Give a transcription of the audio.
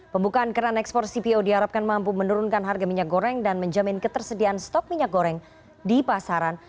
pembukaan keran ekspor cpo diharapkan mampu menurunkan harga minyak goreng dan menjamin ketersediaan stok minyak goreng di pasaran